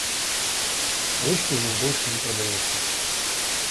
Ручки здесь больше не продаются.